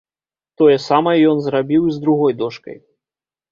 Тое самае ён зрабіў і з другой дошкай.